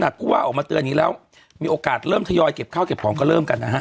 แต่นี้แล้วมีโอกาสเริ่มทยอยเก็บข้าวเก็บของก็เริ่มกันนะฮะ